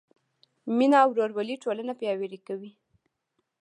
مینه او ورورولي ټولنه پیاوړې کوي.